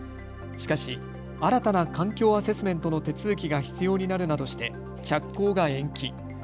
しかし新たな環境アセスメントの手続きが必要になるなどして着工が延期。